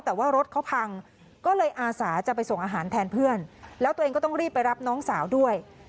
แต่ว่ารถเขาพังก็เลยอาสาจะไปส่งอาหารแทนเพื่อนแล้วตัวเองก็ต้องรีบไปรับน้องสาวด้วย